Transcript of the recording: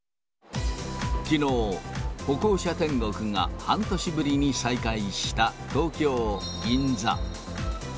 きのう、歩行者天国が半年ぶりに再開した東京・銀座。